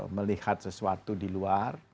melihat sesuatu di luar